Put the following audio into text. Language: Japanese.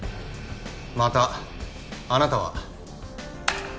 またあなたは。